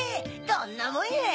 どんなもんや！